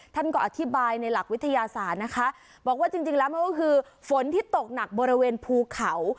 ท่านก็อธิบายในหลักวิทยาศาสตร์นะคะบอกว่าจริงจริงแล้วมันก็คือฝนที่ตกหนักบริเวณภูเขา